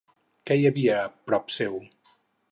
Qui hi havia prop seu?